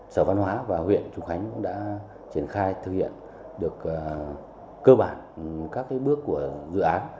sở văn hóa và huyện trùng khánh cũng đã triển khai thực hiện được cơ bản các bước của dự án